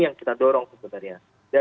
yang kita dorong sebenarnya